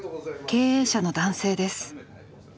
経営者の男性です。